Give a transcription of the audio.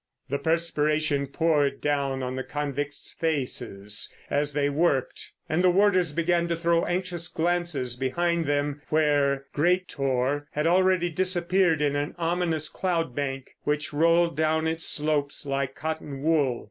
The perspiration poured down the convicts' faces as they worked, and the warders began to throw anxious glances behind them where Great Tor had already disappeared in an ominous cloud bank, which rolled down its slopes like cotton wool.